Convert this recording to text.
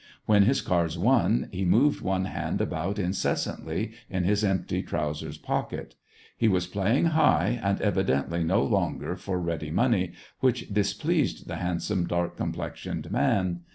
When his cards won, he moved one hand about incessantly in his empty trousers pocket. He was playing high, and evidently no longer for ready money, which dis pleased the handsome, dark complexioned man.